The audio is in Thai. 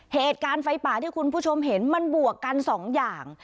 เหตุการณ์ไฟป่าที่คุณผู้ชมเห็นมันบวกกันสองอย่าง